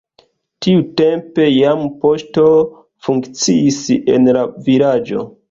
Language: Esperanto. Tiutempe jam poŝto funkciis en la vilaĝo.